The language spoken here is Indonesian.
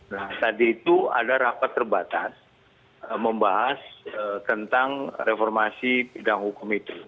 nah tadi itu ada rapat terbatas membahas tentang reformasi bidang hukum itu